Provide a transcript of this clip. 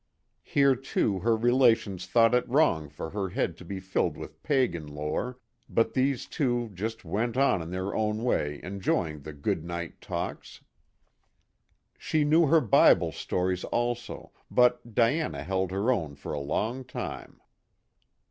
Here too her relations thought it wrong for her head to be filled with pagan lore, but these two just went on in their own way enjoying the "good night talks." She knew her Bible stories also, but Diana held her own for a long time.